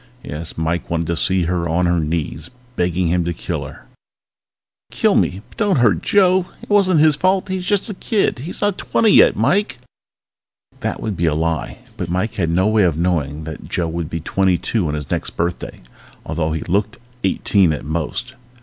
Yes, Mike wanted to see her on her knees, begging him to kill her! Kill me, but don't hurt Joe! It wasn't his fault! He's just a kid he's not twenty yet, Mike! That would be a lie but Mike had no way of knowing that Joe would be twenty two on his next birthday, although he looked eighteen at most.